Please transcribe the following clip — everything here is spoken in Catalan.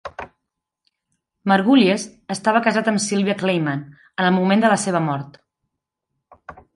Margulies estava casat amb Cylvia Kleinman en el moment de la seva mort.